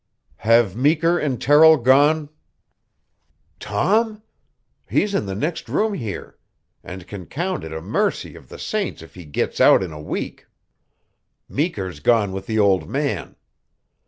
"Have Meeker and Terrill gone?" "Tom? He's in the next room here, and can count it a mercy of the saints if he gits out in a week. Meeker's gone with the old man.